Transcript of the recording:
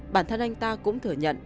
bản thân anh ta cũng thử nhận